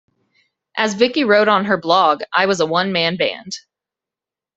As Vicky wrote on her blog, I was a 'one man band.